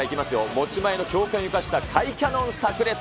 持ち前の強肩を生かした甲斐キャノンさく裂。